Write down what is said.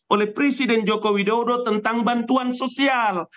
oleh presiden joko widodo tentang bantuan sosial